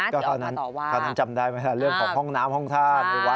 ตีออกมาต่อว่าตอนนั้นจำได้ไหมเรื่องของห้องน้ำห้องท่าน